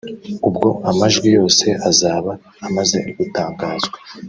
ubwo amajwi yose azaba amaze gutangazwa